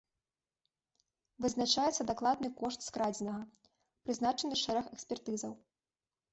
Вызначаецца дакладны кошт скрадзенага, прызначаны шэраг экспертызаў.